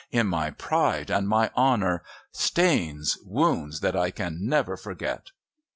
In my pride and my honour. Stains, wounds that I can never forget!"